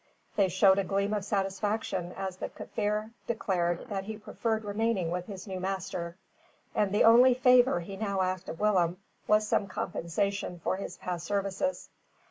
They showed a gleam of satisfaction as the Kaffir declared that he preferred remaining with his new master; and the only favour he now asked of Willem was some compensation for his past services.